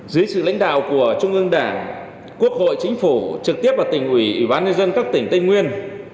dưới sự lãnh đạo của trung ương đảng quốc hội chính phủ trực tiếp và tỉnh ủy ủy ban nhân dân các tỉnh tây nguyên